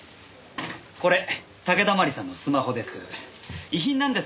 これ武田麻里さんのスマホです。